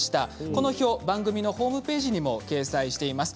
この表、番組のホームページにも掲載しています。